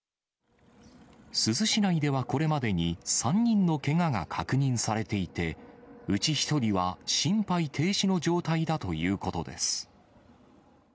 珠洲市内ではこれまでに、３人のけがが確認されていて、うち１人は心肺停止の状態だということです。